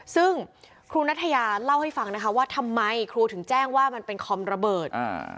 ซึ่งครูนัทยาเล่าให้ฟังนะคะว่าทำไมครูถึงแจ้งว่ามันเป็นคอมระเบิดอ่า